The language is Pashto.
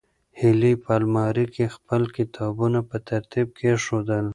هیلې په المارۍ کې خپل کتابونه په ترتیب کېښودل.